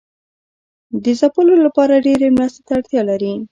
د ځپلو لپاره ډیرې مرستې ته اړتیا لري.